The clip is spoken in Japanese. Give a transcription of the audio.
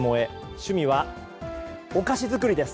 趣味はお菓子作りです。